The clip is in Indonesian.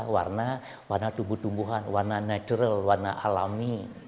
warna tubuh tubuhan warna natural warna alami